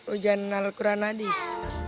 ujian al quran hadis